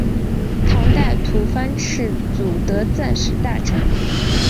唐代吐蕃赤祖德赞时大臣。